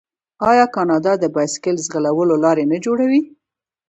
آیا کاناډا د بایسکل ځغلولو لارې نه جوړوي؟